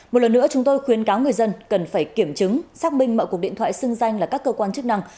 một lần nữa chúng tôi khuyến cáo người dân cần phải kiểm chứng xác minh mọi cuộc điện thoại xưng danh là các cơ quan chức năng